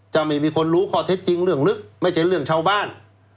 ไม่มีคนรู้ข้อเท็จจริงเรื่องลึกไม่ใช่เรื่องชาวบ้าน